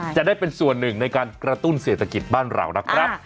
จะได้เป็นส่วนหนึ่งในการกระตุ้นเศรษฐกิจบ้านเรานะครับ